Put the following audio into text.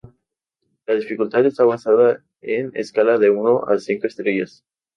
La dificultad está basada en escala de uno a cinco estrellas.